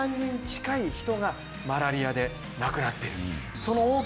人近い人がマラリアで亡くなっている。